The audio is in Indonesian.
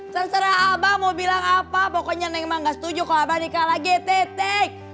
terserah abah mau bilang apa pokoknya neng emang enggak setuju kalau abah nikah lagi te te